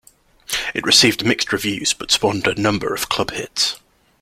It received mixed reviews, but spawned a number of club hits.